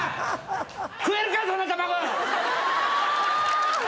食えるかそんな卵！